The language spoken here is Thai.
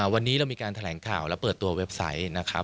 วันนี้เรามีการแถลงข่าวและเปิดตัวเว็บไซต์นะครับ